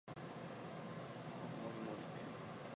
ご飯もりもり